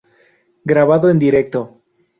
Grabado en directo.